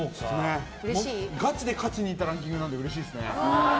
ガチで勝ちにいったランキングなのでうれしいですね。